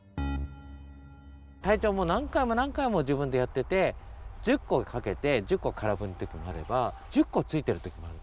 隊長も何回も何回も自分でやってて１０こかけて１０こ空ぶりのときもあれば１０こついてるときもある。